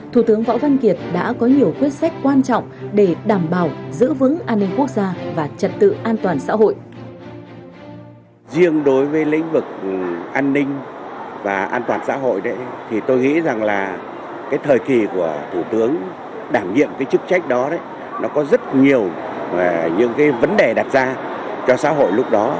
thủ tướng võ văn kiệt đã có nhiều quyết sách quan trọng để đảm bảo giữ vững an ninh quốc gia và trật tự an toàn xã hội